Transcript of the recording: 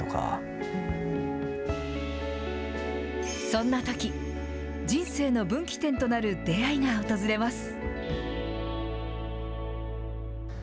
そんなとき、人生の分岐点となる出会いが訪れます。